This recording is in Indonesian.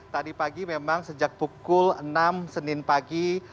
tadi pagi memang sejak pukul enam senin pagi